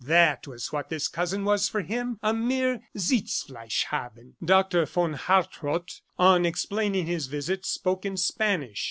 That was what this cousin was for him, a mere Sitzfleisch haben. Doctor von Hartrott, on explaining his visit, spoke in Spanish.